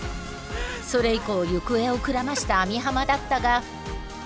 それ以降行方をくらました網浜だったが。